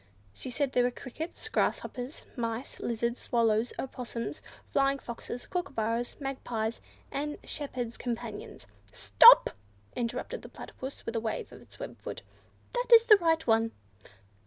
She said there were Crickets, Grasshoppers, Mice, Lizards, Swallows, Opossums, Flying Foxes, Kookooburras, Magpies, and Shepherd's Companions— "Stop!" interrupted the Platypus, with a wave of its web foot; "that is the right one."